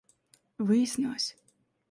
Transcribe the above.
выяснилось